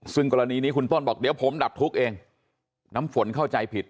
ซึ่งกรณีนี้คุณต้นบอกเดี๋ยวผมดับทุกข์เองน้ำฝนเข้าใจผิด